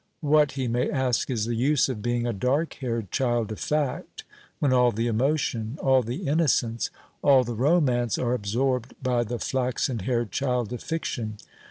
What, he may ask, is the use of being a dark haired child of fact, when all the emotion, all the innocence, all the romance, are absorbed by the flaxen haired child of fiction?